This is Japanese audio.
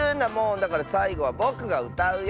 だからさいごはぼくがうたうよ！